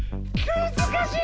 むずかしい。